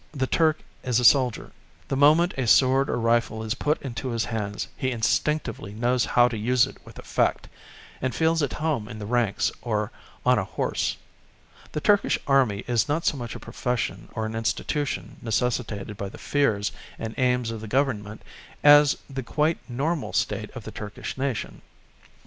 the Turk is a soldier. The moment a sword or rifle is put into his hands, he instinctively knows how to use it with effect, and feels at home in the ranks or on a horse. The Turkish Army is not so much a profession or an institution necessitated by the fears and aims of the Government as the quite normal state of the Turkish nation....